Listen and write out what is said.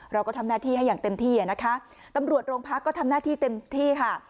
เราก็ทำหน้าที่ให้อย่างเต็มที่นะคะตำรวจโรงพักก็ทำหน้าที่เต็มที่ค่ะ